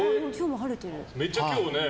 めっちゃ今日はね。